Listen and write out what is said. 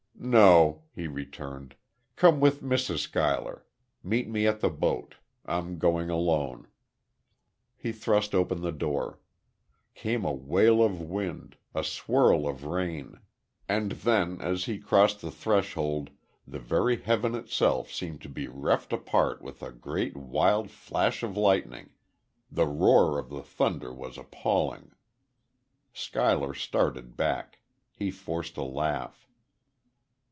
"No," he returned. "Come with Mrs. Schuyler meet me at the boat. I'm going alone." He thrust open the door. Came a wail of wind, a swirl of rain; and then, as he crossed the threshold, the very heaven itself seemed to be reft apart with a great, wild flash of lightning the roar of the thunder was appalling. Schuyler started back. He forced a laugh.